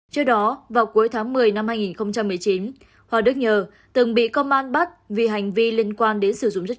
trước đó vào cuối tháng một mươi năm hai nghìn một mươi chín hò đức nhờ từng bị công an bắt vì hành vi liên quan đến sử dụng đất